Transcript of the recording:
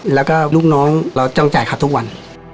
แล้วก็ลูกน้องเราต้องจ่ายค่าทุกวัน